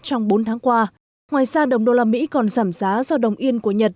trong bốn tháng qua ngoài ra đồng đô la mỹ còn giảm giá do đồng yên của nhật